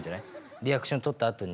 リアクション取ったあとに。